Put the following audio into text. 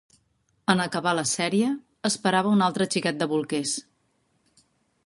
En acabar la sèrie, esperava un altre xiquet de bolquers.